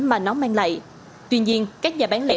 mà nó mang lại tuy nhiên các nhà bán lẻ